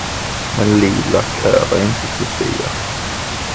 Men lila klär inte dig, Sofia!